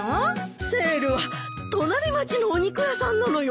セールは隣町のお肉屋さんなのよ。